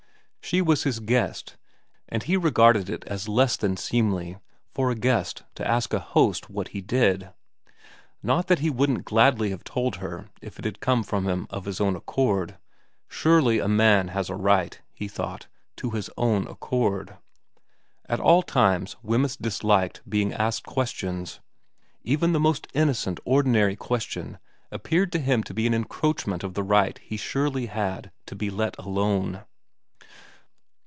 She was his guest, and he regarded it as less than seemly for a guest to ask a host what he did. Not that he wouldn't gladly have told her if it had come from him of his own accord. Surely a man has a right, he thought, to his own accord. At all times Wemyss VERA 83 disliked being asked questions. Even the most innocent, ordinary question appeared to him to be an encroach ment on the right he surely had to be let alone.